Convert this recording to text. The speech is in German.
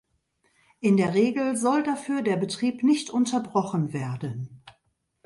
In der Regel soll dafür der Betrieb nicht unterbrochen werden.